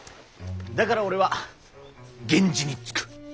だから俺は源氏につく。